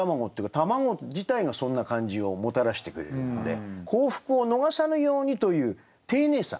卵自体がそんな感じをもたらしてくれるんで「幸福を逃さぬやうに」という丁寧さ。